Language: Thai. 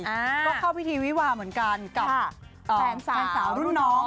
อ่าก็เข้าพิธีวิวาเหมือนกันกับแฟนสาวรุ่นน้อง